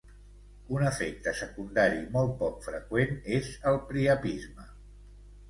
Un efecte secundari molt poc freqüent és el priapisme.